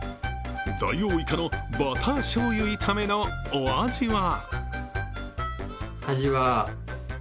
ダイオウイカのバター醤油炒めのお味は？